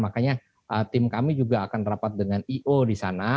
makanya tim kami juga akan rapat dengan i o di sana